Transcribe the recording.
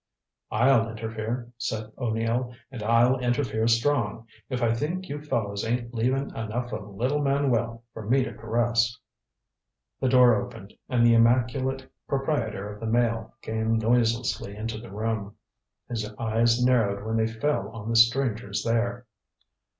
"I'll interfere," said O'Neill, "and I'll interfere strong if I think you fellows ain't leaving enough of little Manuel for me to caress " The door opened, and the immaculate proprietor of the Mail came noiselessly into the room. His eyes narrowed when they fell on the strangers there.